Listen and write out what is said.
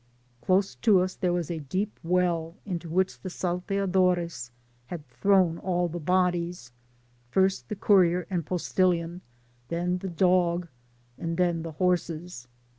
— Close to us there was a deep well, into which the Salteadores had thrown all the bodies — ^first the courier and postilion, then the dog, and then the horses.